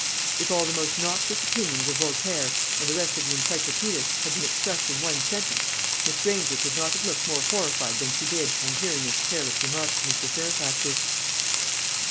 If all the most noxious opinions of Voltaire, and the rest of the Encyclopedists, had been expressed in one sentence, Miss Granger could not have looked more horrified than she did on hearing this careless remark of Mr. Fairfax's.